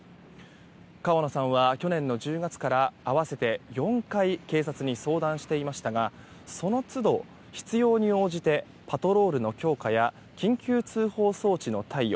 川野さんは、去年の１０月から合わせて４回警察に相談していましたがその都度、必要に応じてパトロールの強化や緊急通報装置の貸与